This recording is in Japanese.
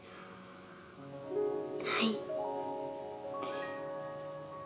はい。